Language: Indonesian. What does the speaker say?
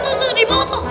tuh tuh di bawah tuh